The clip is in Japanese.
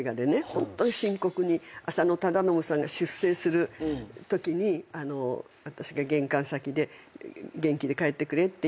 ホントに深刻に浅野忠信さんが出征するときに私が玄関先で「元気で帰ってくれ」っていうせりふがね。